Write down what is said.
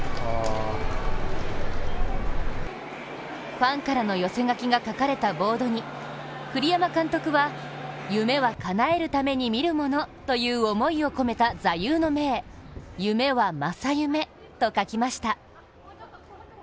ファンからの寄せ書きが書かれたボードに、栗山監督は夢はかなえるために見るものという思いを込めた、座右の銘「夢は正夢」と書きました。